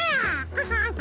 アハハハ。